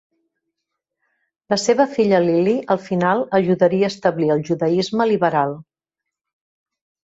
La seva filla Lily, al final ajudaria a establir el judaisme liberal.